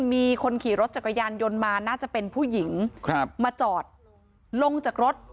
มีคนขี่รถจักรยานยนต์มาน่าจะเป็นผู้หญิงครับมาจอดลงจากรถ